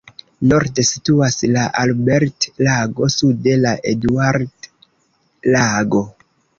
Norde situas la Albert-Lago, sude la Eduard-Lago.